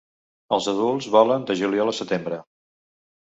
Els adults volen de juliol a setembre.